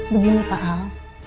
begini pak al